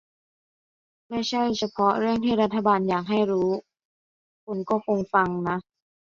ไม่ใช่เฉพาะเรื่องที่รัฐบาลอยากให้รู้ คนก็คงฟังนะ